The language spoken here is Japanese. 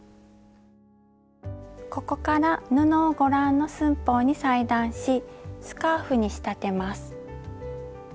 ここから布をご覧の寸法に裁断しスカーフに仕立てます。